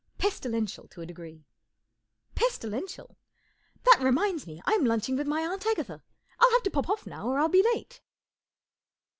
Pestilential to a degree." 44 Pestilential ! That reminds me, I'm lunching with my Aunt Agatha. I'll have to pop off now, or I'll be late."